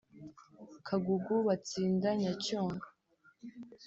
Kagugu-Batsinda-Nyacyonga